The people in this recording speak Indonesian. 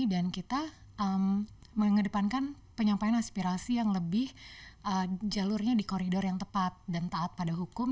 kita mengedepankan penyampaian aspirasi yang lebih jalurnya di koridor yang tepat dan taat pada hukum